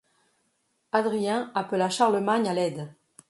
Adrien appela Charlemagne à l'aide.